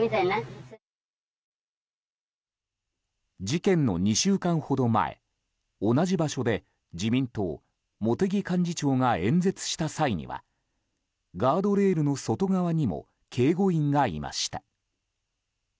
事件の２週間ほど前同じ場所で自民党、茂木幹事長が演説した際にはガードレールの外側にも警護員がいました。